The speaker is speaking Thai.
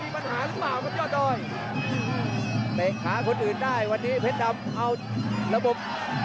ภูเว่ยหาคนอื่นได้วันนี้เพชรดำเอาระบบ